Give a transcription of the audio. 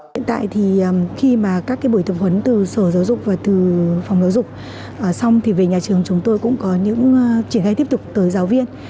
hiện tại thì khi mà các cái buổi tập huấn từ sở giáo dục và từ phòng giáo dục xong thì về nhà trường chúng tôi cũng có những triển khai tiếp tục tới giáo viên